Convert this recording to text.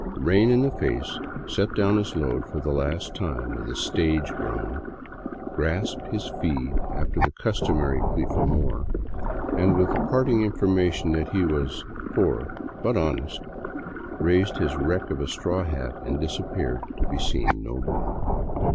" Rain in the Face " set down his load for the last time with a stage groan, grasped iiis fee after the customary plea for more, and with the parting information that he was " poor but honest," raised his wreck of a straw hat and disappeared to be seen no more.